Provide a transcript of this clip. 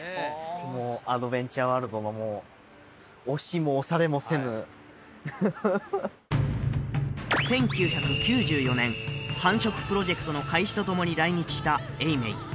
もうアドベンチャーワールドの押しも押されもせぬ１９９４年繁殖プロジェクトの開始とともに来日した永明